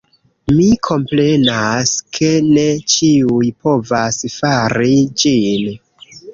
Mi komprenas, ke ne ĉiuj povas fari ĝin